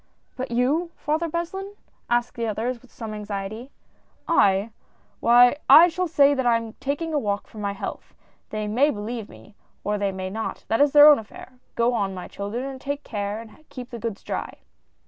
"But you. Father Beslin?" asked the others, with some anxiety. " I ! Why I shall say that I am taking a walk for my health. They may believe me, or they may not, that is their own affair ! Go on, my children, and take care and keep the goods dry."